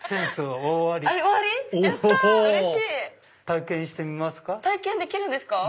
体験してみますか？